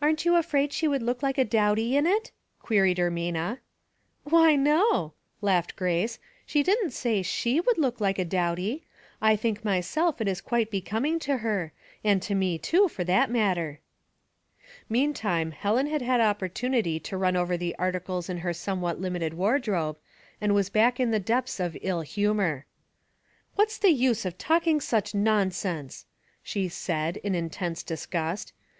"Aren't you afraid she would look like a dowdy in it ?" queried Ermina. '' Why, no," laughed Grace. " She didn't say she would look like a dowdy. I think myself it is quite becoming to her ; and to me too, for that matter." Meantime Helen had had opportunity to run over the articles in her somewhat limited ward robe, and was back in the depths of ill humor. *' What's the use of talking such nonsense !'* she said, in intense disgust.